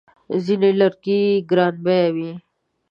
ځینې لرګي ګرانبیه وي.